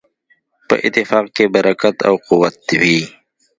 په اتفاق کې برکت او قوت وي.